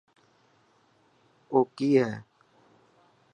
او ڪي هي.